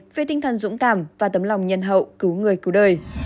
về tinh thần dũng cảm và tấm lòng nhân hậu cứu người cứu đời